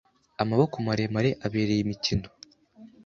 amaboko maremare abereye imikino...